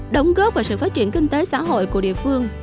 đóng góp vào sự phát triển kinh tế xã hội của địa phương